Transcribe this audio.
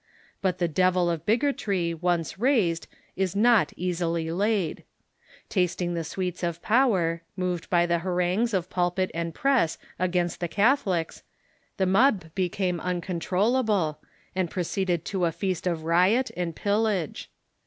But the devil of bigotry once raised is not easily laid. Tasting the sweets of power, moved by the ha rangues of pulpit and press against the Catholics, the mob became uncontrollable, and proceeded to a feast of riot and pillage.